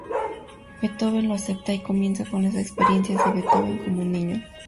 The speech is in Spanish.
Beethoven lo acepta, y comienzan con las experiencias de Beethoven como un niño.